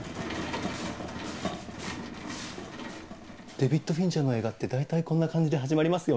デヴィット・フィンチャーの映画って大体こんな感じで始まりますよね。